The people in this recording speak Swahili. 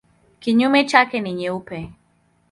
Kinyume chake ni nyeupe.